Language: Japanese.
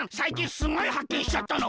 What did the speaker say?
すごいはっけんしちゃったの！